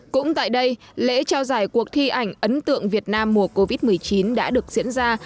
cũng tại đây lễ trao giải cuộc thi ảnh ấn tượng việt nam mùa covid một mươi chín đã được diễn ra